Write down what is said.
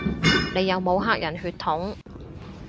你有冇黑人血統